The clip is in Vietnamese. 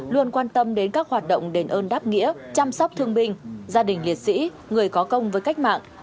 luôn quan tâm đến các hoạt động đền ơn đáp nghĩa chăm sóc thương binh gia đình liệt sĩ người có công với cách mạng